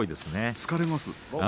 疲れます。